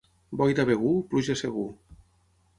Boira a Begur, pluja segur.